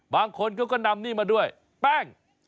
บางคนเขาก็นำนี่มาด้วยแป้ง